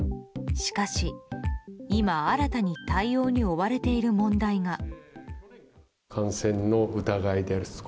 しかし、今新たに対応に追われている問題が。